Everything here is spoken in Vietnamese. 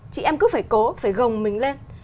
chị em cứ phải cố phải gồng mình lên